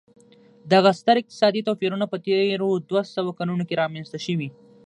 دغه ستر اقتصادي توپیرونه په تېرو دوه سوو کلونو کې رامنځته شوي.